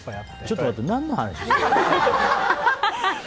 ちょっと待って、何の話？